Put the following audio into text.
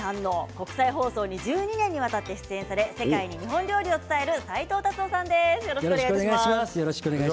国際放送に１２年に渡って出演され世界に日本の料理を伝える斉藤辰夫さんです。